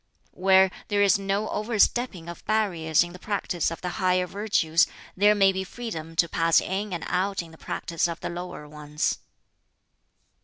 "Where there is no over stepping of barriers in the practice of the higher virtues, there may be freedom to pass in and out in the practice of the lower ones."